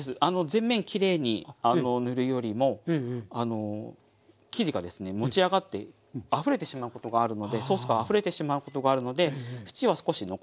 全面きれいに塗るよりも生地がですね持ち上がってあふれてしまうことがあるのでソースがあふれてしまうことがあるので縁は少し残しといて下さい。